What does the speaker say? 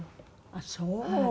ああそう。